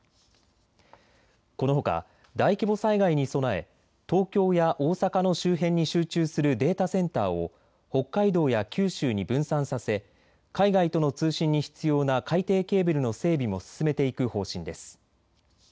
このほか大規模災害に備え東京や大阪の周辺に集中するデータセンターを北海道や九州に分散させ海外との通信に必要な海底ケーブルの整備も進めていく方針です。